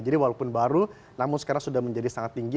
jadi walaupun baru namun sekarang sudah menjadi sangat tinggi